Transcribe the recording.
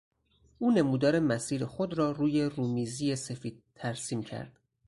او نمودار مسیر خود را روی رومیزی سفید ترسیم کرد.